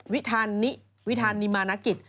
วิทานิวิทานิมานะกิต